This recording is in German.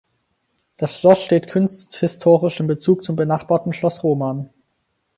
Das Schloss steht kunsthistorisch in Bezug zum benachbarten Schloss Roman.